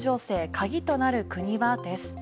鍵となる国はです。